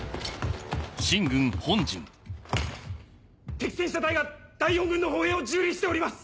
敵戦車隊が第四軍の歩兵を蹂躙しております。